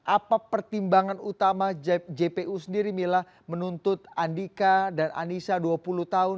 apa pertimbangan utama jpu sendiri mila menuntut andika dan anissa dua puluh tahun